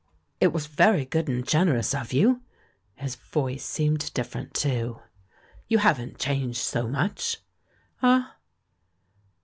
"It was very, good and generous of you." His voice seemed different, too. "You haven't changed so much." "Ah!"